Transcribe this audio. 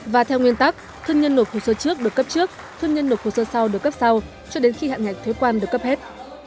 và theo nguyên tắc thương nhân nộp hồ sơ trước được cấp trước thương nhân nộp hồ sơ sau được cấp sau cho đến khi hạn ngạch thuế quan được cấp hết